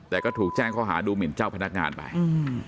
แต่ก็ถูกแจ้งข้อหาดูหมินเจ้าพนักงานไปอืม